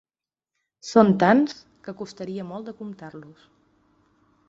Són tants, que costaria molt de comptar-los.